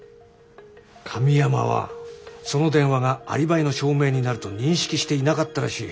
神山はその電話がアリバイの証明になると認識していなかったらしい。